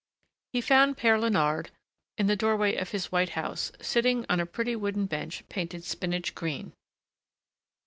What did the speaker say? He found Père Léonard in the doorway of his white house, sitting on a pretty wooden bench painted spinach green.